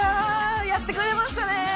やってくれましたね！